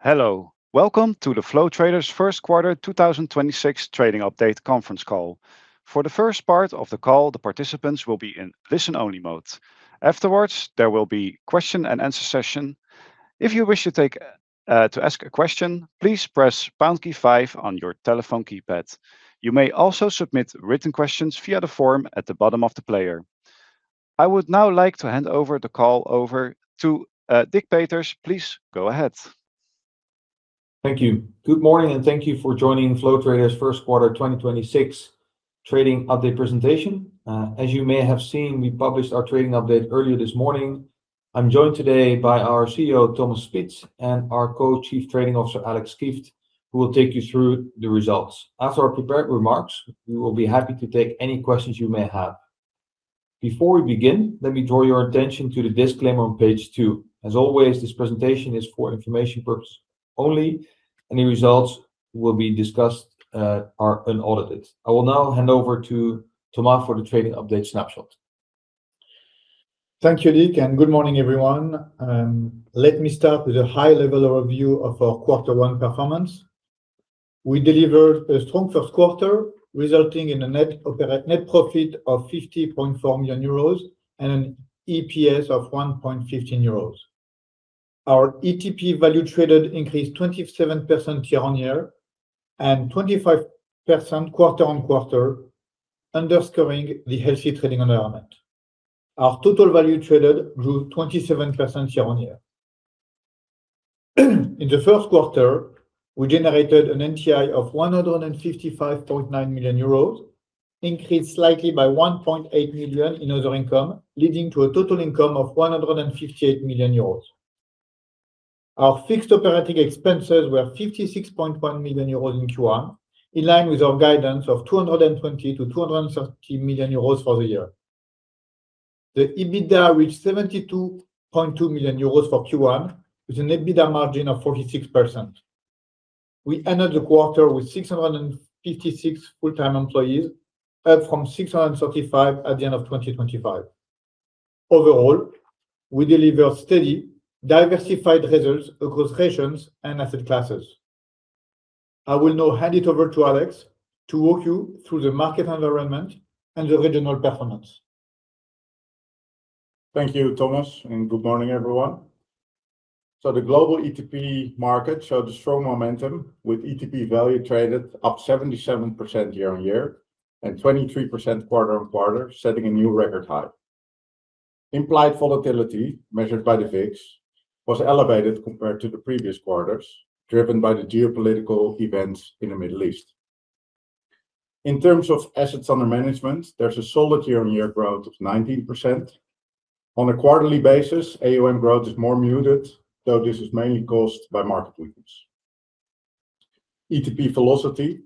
Hello. Welcome to the Flow Traders First Quarter 2026 Trading Update Conference Call. For the first part of the call, the participants will be in listen-only mode. Afterwards, there will be a question and answer session. If you wish to ask a question, please press pound key five on your telephone keypad. You may also submit written questions via the form at the bottom of the player. I would now like to hand over the call to Dick Peters. Please go ahead. Thank you. Good morning, and thank you for joining Flow Traders First Quarter 2026 Trading Update Presentation. As you may have seen, we published our trading update earlier this morning. I'm joined today by our CEO, Thomas Spitz, and our Co-Chief Trading Officer, Alex Kieft, who will take you through the results. After our prepared remarks, we will be happy to take any questions you may have. Before we begin, let me draw your attention to the disclaimer on page two. As always, this presentation is for informational purposes only. Any results will be discussed are unaudited. I will now hand over to Thomas for the trading update snapshot. Thank you, Dick, and good morning, everyone. Let me start with a high-level overview of our quarter one performance. We delivered a strong first quarter, resulting in a net profit of 50.4 million euros and an EPS of 1.15 euros. Our ETP value traded increased 27% year-over-year and 25% quarter-over-quarter, underscoring the healthy trading environment. Our total value traded grew 27% year-over-year. In the first quarter, we generated an NTI of 155.9 million euros, increased slightly by 1.8 million in other income, leading to a total income of 158 million euros. Our fixed operating expenses were 56.1 million euros in Q1, in line with our guidance of 220 million-230 million euros for the year. The EBITDA reached 72.2 million euros for Q1, with an EBITDA margin of 46%. We ended the quarter with 656 full-time employees, up from 635 at the end of 2025. Overall, we deliver steady, diversified results across regions and asset classes. I will now hand it over to Alex to walk you through the market environment and the regional performance. Thank you, Thomas, and good morning, everyone. The global ETP market showed a strong momentum with ETP value traded up 77% year-on-year and 23% quarter-on-quarter, setting a new record high. Implied volatility measured by the VIX was elevated compared to the previous quarters, driven by the geopolitical events in the Middle East. In terms of assets under management, there's a solid year-on-year growth of 19%. On a quarterly basis, AUM growth is more muted, though this is mainly caused by market movements. ETP velocity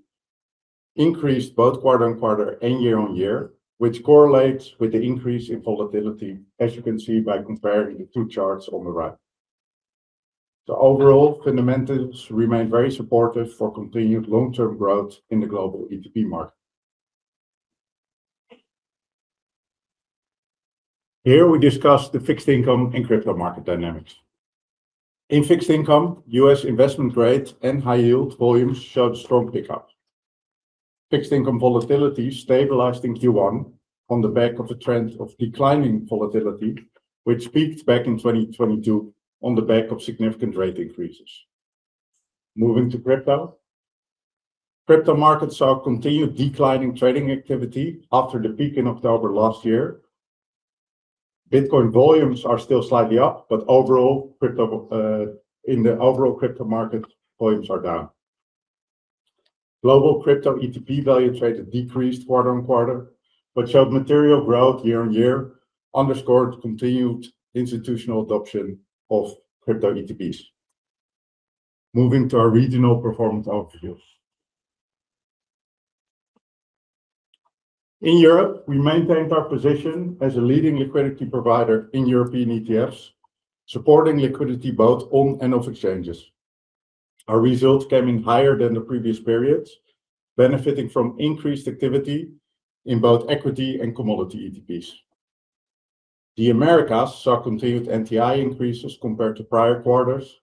increased both quarter-on-quarter and year-on-year, which correlates with the increase in volatility, as you can see by comparing the two charts on the right. Overall, fundamentals remain very supportive for continued long-term growth in the global ETP market. Here we discuss the fixed income and crypto market dynamics. In fixed income, U.S. investment grade and high yield volumes showed strong pickup. Fixed income volatility stabilized in Q1 on the back of a trend of declining volatility, which peaked back in 2022 on the back of significant rate increases. Moving to crypto. Crypto markets saw continued declining trading activity after the peak in October last year. Bitcoin volumes are still slightly up, but in the overall crypto market, volumes are down. Global crypto ETP value traded decreased quarter-on-quarter, but showed material growth year-on-year, underscored continued institutional adoption of crypto ETPs. Moving to our regional performance outlook views. In Europe, we maintained our position as a leading liquidity provider in European ETFs, supporting liquidity both on and off exchanges. Our results came in higher than the previous periods, benefiting from increased activity in both equity and commodity ETPs. The Americas saw continued NTI increases compared to prior quarters,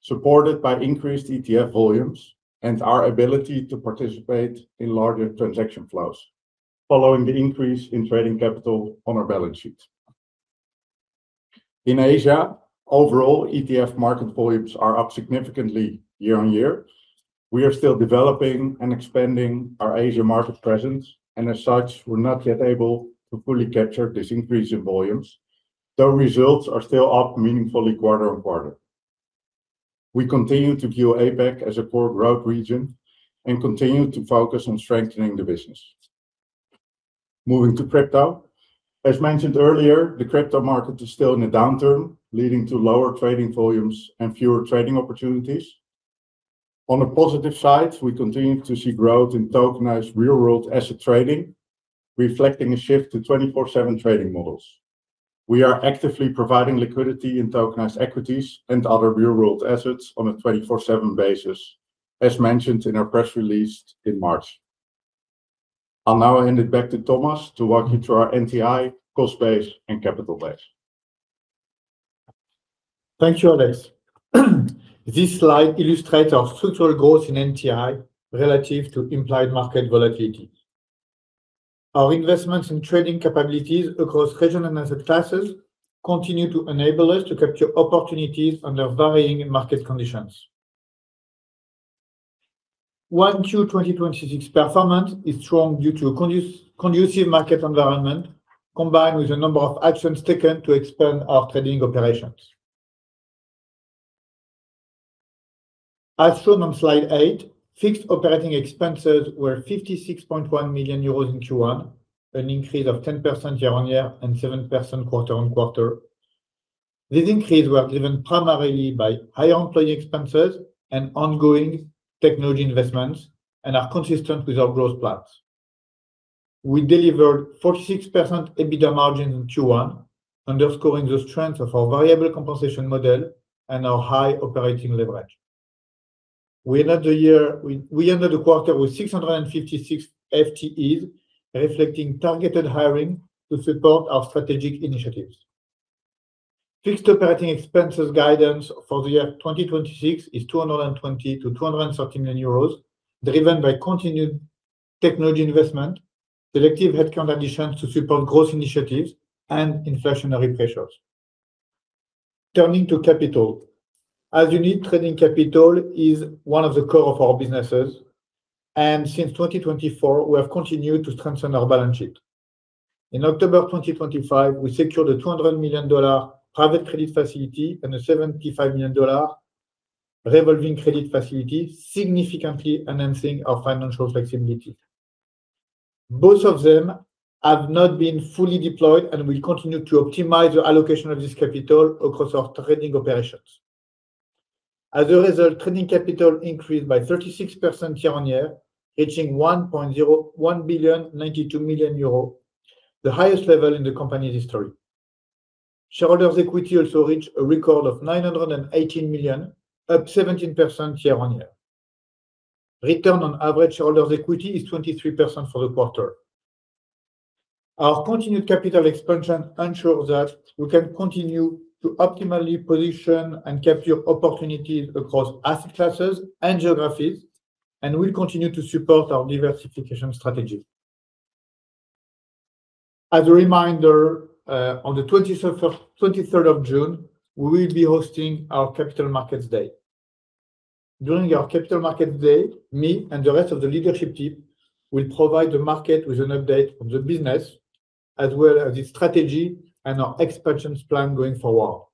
supported by increased ETF volumes and our ability to participate in larger transaction flows following the increase in trading capital on our balance sheet. In Asia, overall, ETF market volumes are up significantly year-on-year. We are still developing and expanding our Asia market presence, and as such, we're not yet able to fully capture this increase in volumes, though results are still up meaningfully quarter-on-quarter. We continue to view APAC as a core growth region and continue to focus on strengthening the business. Moving to crypto. As mentioned earlier, the crypto market is still in a downturn, leading to lower trading volumes and fewer trading opportunities. On a positive side, we continue to see growth in tokenized real-world asset trading, reflecting a shift to 24/7 trading models. We are actively providing liquidity in tokenized equities and other real-world assets on a 24/7 basis, as mentioned in our press release in March. I'll now hand it back to Thomas to walk you through our NTI, cost base, and capital base. Thank you, Alex. This slide illustrates our future growth in NTI relative to implied market volatility. Our investments in trading capabilities across regional asset classes continue to enable us to capture opportunities under varying market conditions. 1Q 2026 performance is strong due to a conducive market environment, combined with a number of actions taken to expand our trading operations. As shown on slide eight, fixed operating expenses were 56.1 million euros in Q1, an increase of 10% year-over-year and 7% quarter-over-quarter. This increase was driven primarily by higher employee expenses and ongoing technology investments, and are consistent with our growth plans. We delivered 46% EBITDA margin in Q1, underscoring the strength of our variable compensation model and our high operating leverage. We ended the quarter with 656 FTEs, reflecting targeted hiring to support our strategic initiatives. Fixed operating expenses guidance for the year 2026 is 220 million-230 million euros, driven by continued technology investment, selective headcount additions to support growth initiatives, and inflationary pressures. Turning to capital. As you know, trading capital is one of the core of our businesses, and since 2024, we have continued to strengthen our balance sheet. In October 2025, we secured a $200 million private credit facility and a $75 million revolving credit facility, significantly enhancing our financial flexibility. Both of them have not been fully deployed and we continue to optimize the allocation of this capital across our trading operations. As a result, trading capital increased by 36% year-on-year, hitting 1.092 billion euros, the highest level in the company's history. Shareholders' equity also reached a record of 918 million, up 17% year-on-year. Return on average shareholders' equity is 23% for the quarter. Our continued capital expansion ensures that we can continue to optimally position and capture opportunities across asset classes and geographies, and will continue to support our diversification strategy. As a reminder, on the 23rd of June, we will be hosting our Capital Markets Day. During our Capital Markets Day, me and the rest of the leadership team will provide the market with an update on the business, as well as its strategy and our expansion plan going forward.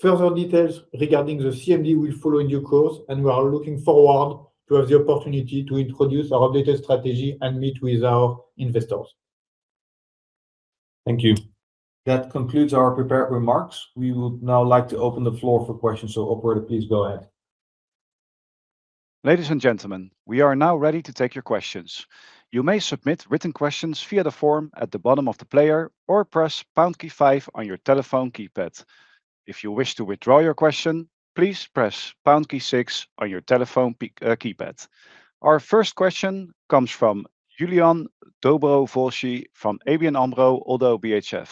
Further details regarding the CMD will follow in due course, and we are looking forward to have the opportunity to introduce our updated strategy and meet with our investors. Thank you. That concludes our prepared remarks. We would now like to open the floor for questions. Operator, please go ahead. Ladies and gentlemen, we are now ready to take your questions. You may submit written questions via the form at the bottom of the player or press pound key five on your telephone keypad. If you wish to withdraw your question, please press pound key six on your telephone keypad. Our first question comes from Iulian Dobrovolschi from ODDO BHF.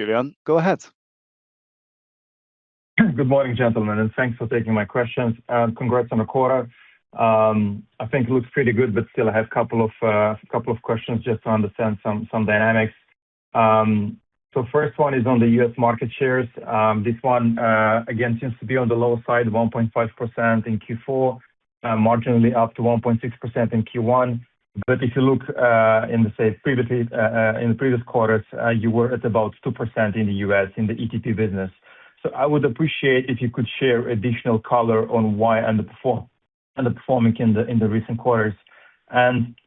Iulian, go ahead. Good morning, gentlemen, and thanks for taking my questions, and congrats on the quarter. I think it looks pretty good, but still I have a couple of questions just to understand some dynamics. First one is on the U.S. market shares. This one, again, seems to be on the low side, 1.5% in Q4, marginally up to 1.6% in Q1. If you look in the previous quarters, you were at about 2% in the U.S. in the ETP business. I would appreciate if you could share additional color on why underperforming in the recent quarters.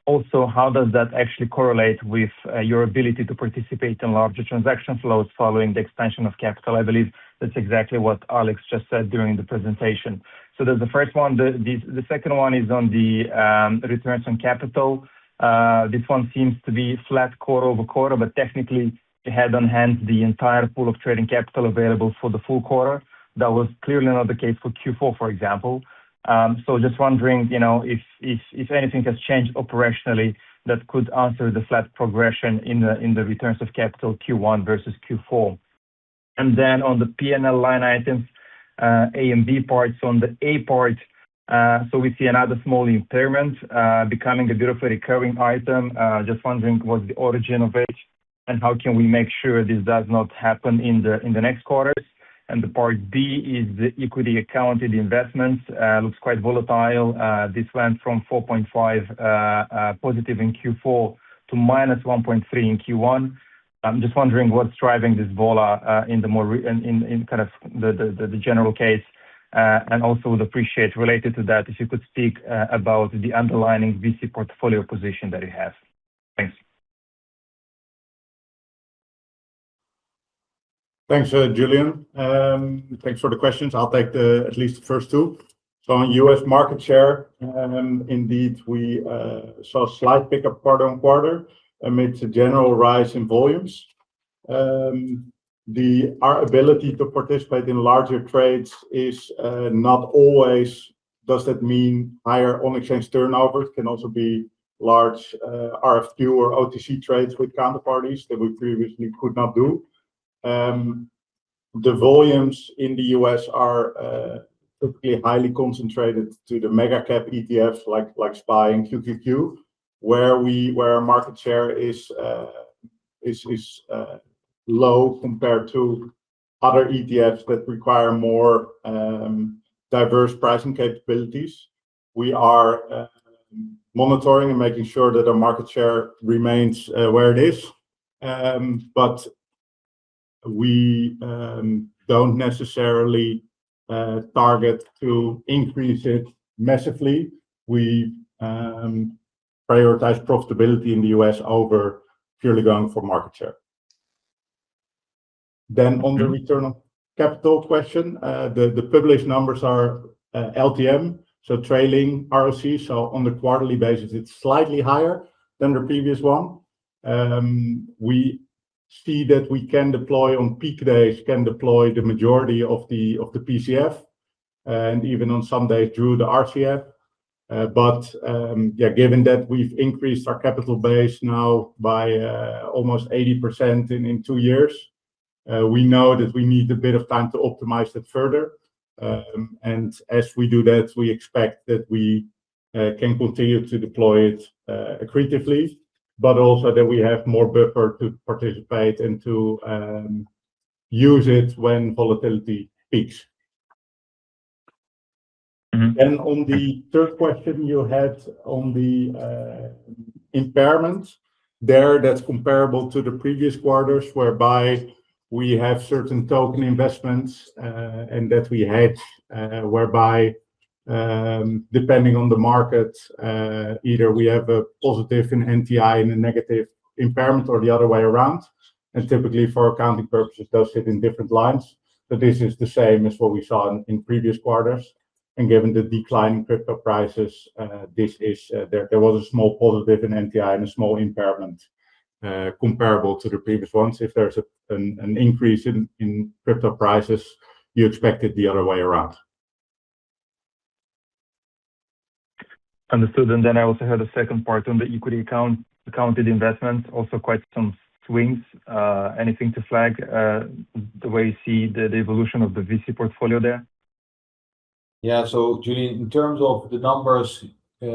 Also, how does that actually correlate with your ability to participate in larger transaction flows following the expansion of capital? I believe that's exactly what Alex just said during the presentation. That's the first one. The second one is on the returns on capital. This one seems to be flat quarter-over-quarter, but technically it had on hand the entire pool of trading capital available for the full quarter. That was clearly not the case for Q4, for example. Just wondering if anything has changed operationally that could answer the flat progression in the returns of capital Q1 versus Q4. On the P&L line items, A and B parts. On the A part, we see another small impairment becoming a beautifully recurring item. Just wondering what's the origin of it and how can we make sure this does not happen in the next quarters. The part B is the equity accounted investments. It looks quite volatile. This went from 4.5 positive in Q4 to -1.3 in Q1. I'm just wondering what's driving this vol in the general case. I would appreciate related to that, if you could speak about the underlying VC portfolio position that it has. Thanks. Thanks, Iulian. Thanks for the questions. I'll take at least the first two. On U.S. market share, indeed, we saw a slight pickup quarter-over-quarter amid the general rise in volumes. The ability to participate in larger trades is not always, does that mean higher on-exchange turnover? It can also be large RFQ or OTC trades with counterparties that we previously could not do. The volumes in the U.S. are typically highly concentrated to the mega cap ETFs like SPY and QQQ, where our market share is low compared to other ETFs that require more diverse pricing capabilities. We are monitoring and making sure that our market share remains where it is, but we don't necessarily target to increase it massively. We prioritize profitability in the U.S. over purely going for market share. On the return on capital question, the published numbers are LTM, so trailing ROC. On the quarterly basis, it's slightly higher than the previous one. We see that we can deploy on peak days, can deploy the majority of the PCF, and even on some days through the RCF. Yeah, given that we've increased our capital base now by almost 80% in two years, we know that we need a bit of time to optimize that further. As we do that, we expect that we can continue to deploy it accretively, but also that we have more buffer to participate and to use it when volatility peaks. Mm-hmm. On the third question you had on the impairments, there that's comparable to the previous quarters, whereby we have certain token investments, and that we hedge, whereby, depending on the market, either we have a positive in NTI and a negative impairment, or the other way around. Typically for accounting purposes, those sit in different lines. This is the same as what we saw in previous quarters. Given the decline in crypto prices, there was a small positive in NTI and a small impairment comparable to the previous ones. If there's an increase in crypto prices, you expect it the other way around. Understood. I also had a second part on the equity accounted investment, also quite some swings. Anything to flag the way you see the evolution of the VC portfolio there? Yeah. Iulian, in terms of the numbers,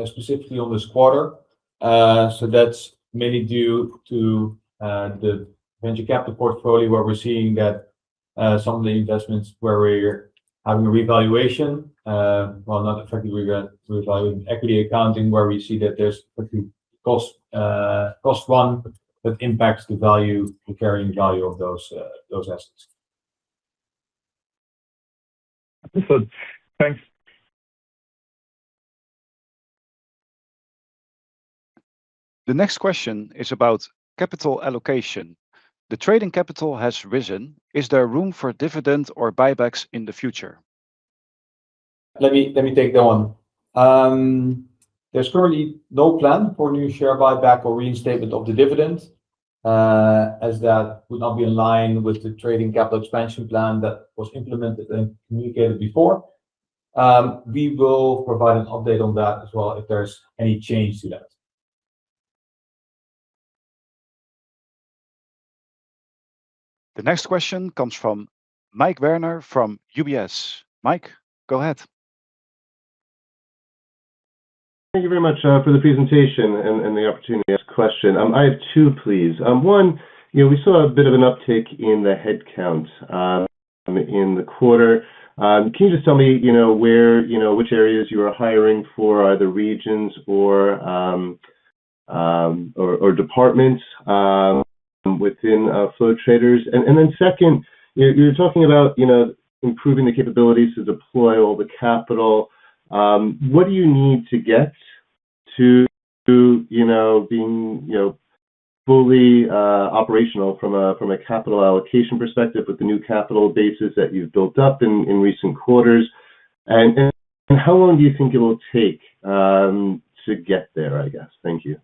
specifically on this quarter, that's mainly due to the venture capital portfolio, where we're seeing that some of the investments where we're having a revaluation, well, not effectively revalued, equity accounting, where we see that there's particularly cost one that impacts the value, the carrying value of those assets. Understood. Thanks. The next question is about capital allocation. The trading capital has risen. Is there room for dividends or buybacks in the future? Let me take that one. There's currently no plan for a new share buyback or reinstatement of the dividend, as that would not be in line with the trading capital expansion plan that was implemented and communicated before. We will provide an update on that as well if there's any change to that. The next question comes from Mike Werner from UBS. Mike, go ahead. Thank you very much for the presentation and the opportunity to ask a question. I have two, please. One, we saw a bit of an uptick in the headcount in the quarter. Can you just tell me which areas you are hiring for, either regions or departments within Flow Traders? Then second, you're talking about improving the capabilities to deploy all the capital. What do you need to get to being fully operational from a capital allocation perspective with the new capital bases that you've built up in recent quarters? And how long do you think it will take to get there, I guess? Thank you.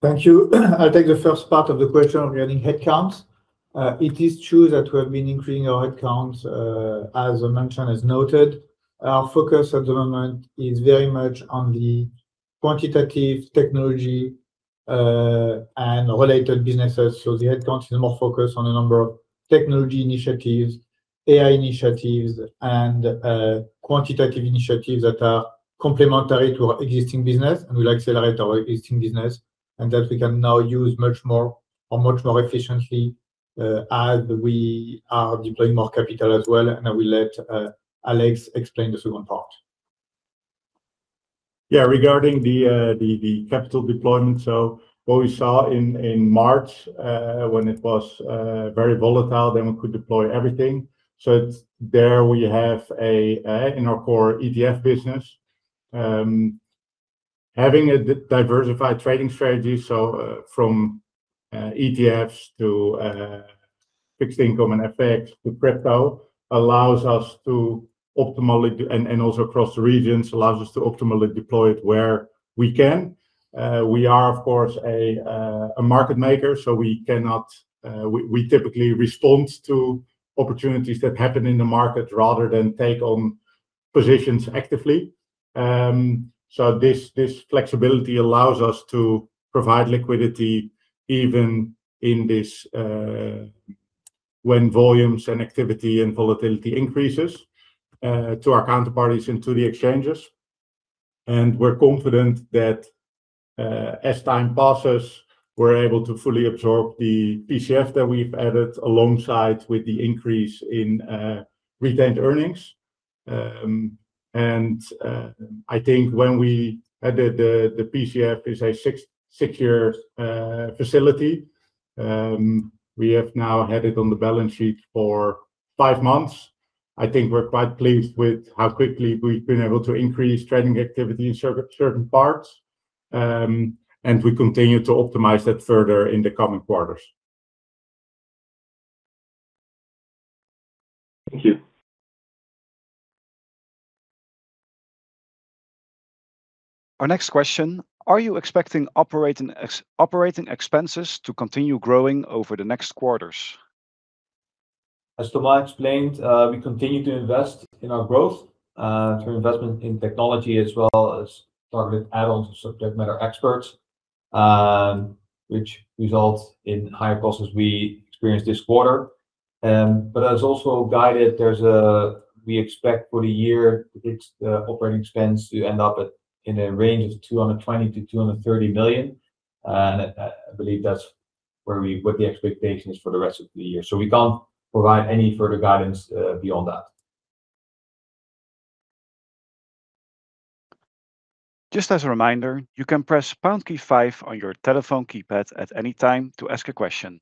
Thank you. I'll take the first part of the question regarding headcounts. It is true that we have been increasing our headcounts, as mentioned, as noted. Our focus at the moment is very much on the quantitative technology and related businesses. So the headcount is more focused on a number of technology initiatives, AI initiatives, and quantitative initiatives that are complementary to our existing business and will accelerate our existing business, and that we can now use much more or much more efficiently as we are deploying more capital as well. I will let Alex explain the second part. Yeah, regarding the capital deployment, what we saw in March, when it was very volatile, then we could deploy everything. There we have in our core ETF business, having a diversified trading strategy, so from ETFs to fixed income and FX to crypto, and also across the regions, allows us to optimally deploy it where we can. We are, of course, a market maker, so we typically respond to opportunities that happen in the market rather than take on positions actively. This flexibility allows us to provide liquidity even when volumes and activity and volatility increases to our counterparties and to the exchanges. We're confident that as time passes, we're able to fully absorb the PCF that we've added alongside with the increase in retained earnings. I think when we added the PCF is a secure facility. We have now had it on the balance sheet for five months. I think we're quite pleased with how quickly we've been able to increase trading activity in certain parts, and we continue to optimize that further in the coming quarters. Thank you. Our next question, are you expecting operating expenses to continue growing over the next quarters? As Thomas explained, we continue to invest in our growth through investment in technology as well as targeted add-ons of subject matter experts, which results in higher costs as we experienced this quarter. As also guided, we expect for the year, it's the operating expense to end up in a range of 220 million-230 million. I believe that's what the expectation is for the rest of the year. We can't provide any further guidance beyond that. Just as a reminder, you can press pound key five on your telephone keypad at any time to ask a question.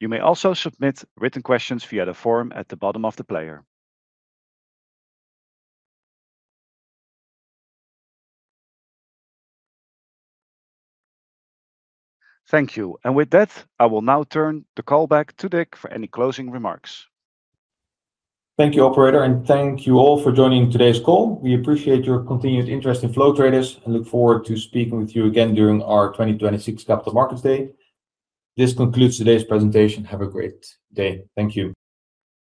You may also submit written questions via the form at the bottom of the player. Thank you. With that, I will now turn the call back to Dick for any closing remarks. Thank you, operator, and thank you all for joining today's call. We appreciate your continued interest in Flow Traders and look forward to speaking with you again during our 2026 Capital Markets Day. This concludes today's presentation. Have a great day. Thank you.